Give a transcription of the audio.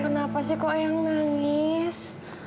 kenapa sih kok ayah nangis